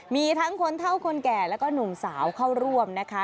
มีทั้งคนเท่าคนแก่แล้วก็หนุ่มสาวเข้าร่วมนะคะ